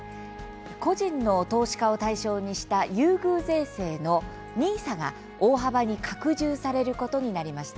個人の投資家を対象にした優遇税制のＮＩＳＡが大幅に拡充されることになりました。